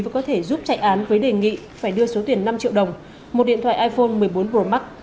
và có thể giúp chạy án với đề nghị phải đưa số tiền năm triệu đồng một điện thoại iphone một mươi bốn pro max